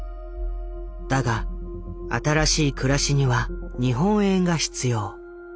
だが新しい暮らしには日本円が必要。